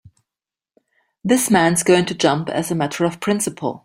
This man's going to jump as a matter of principle.